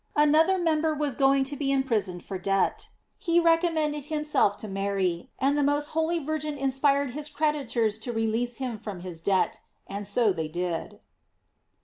— Another member was going to be impris* oned for debt; he recommended himself to Mary, and the most holy Virgin inspired hia creditors to release him from his debt, and so they did.